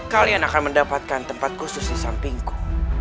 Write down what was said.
kalian akan mendapatkan tempat khusus di sampingku